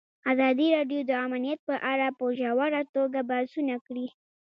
ازادي راډیو د امنیت په اړه په ژوره توګه بحثونه کړي.